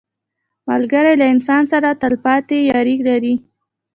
ملګری له انسان سره تل پاتې یاري لري